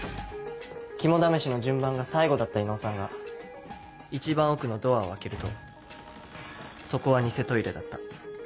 肝試しの順番が最後だった伊能さんが一番奥のドアを開けるとそこは偽トイレだった。